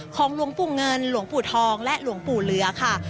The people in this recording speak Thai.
หลวงปู่เงินหลวงปู่ทองและหลวงปู่เหลือค่ะ